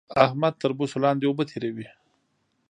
احمد تر بوسو لاندې اوبه تېروي